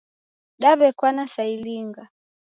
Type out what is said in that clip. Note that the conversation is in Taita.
Daw'ekwana sa ilinga?